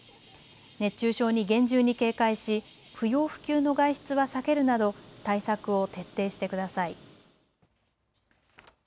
熱中症に厳重に警戒し不要不急の外出は避けるなど対策を徹底してください。